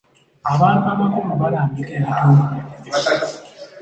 Abantu abakulu balambika ebitundu byaffe.